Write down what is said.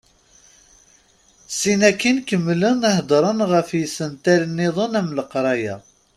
Sin akkin kemmlen hedren ɣef yisental-nniḍen am leqraya.